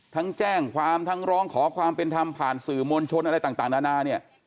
ทั้งแจ้งความทั้งร้องขอความเป็นธรรมผ่านสื่อมวลชนอะไรต่างนานาเนี่ย